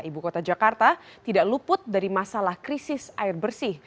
ibu kota jakarta tidak luput dari masalah krisis air bersih